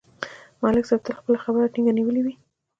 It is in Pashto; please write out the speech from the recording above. ملک صاحب تل خپله خبره ټینګه نیولې وي